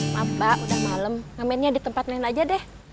mbak udah malem ngamennya di tempat nenek aja deh